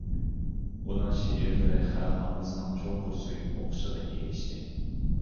ئۇنىڭ شېئىرلىرى خەلق ئاممىسىنىڭ چوڭقۇر سۆيۈپ ئوقۇشىغا ئېرىشتى.